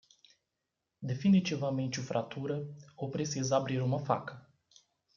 Definitivamente fratura ou precisa abrir uma faca